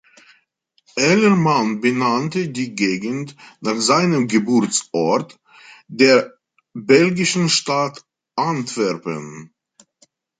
Ellerman benannte die Gegend nach seinem Geburtsort, der belgischen Stadt Antwerpen.